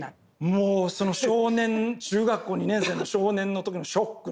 もう少年中学校２年生の少年の時のショックね。